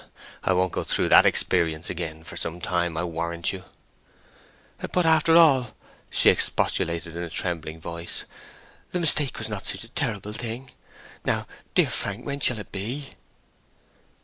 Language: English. "I don't go through that experience again for some time, I warrant you!" "But after all," she expostulated in a trembling voice, "the mistake was not such a terrible thing! Now, dear Frank, when shall it be?"